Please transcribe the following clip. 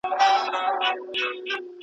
چا د خلکو د خندا کړم راته وایه مینتوبه